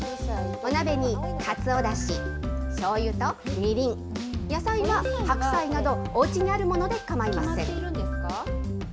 お鍋にかつおだし、しょうゆとみりん、野菜ははくさいなど、おうちにあるもので構いません。